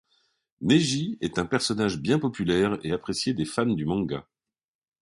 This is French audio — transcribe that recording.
Neji est un personnage bien populaire et apprécié des fans du manga.